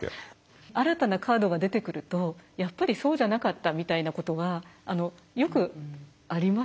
新たなカードが出てくると「やっぱりそうじゃなかった」みたいなことはよくあります。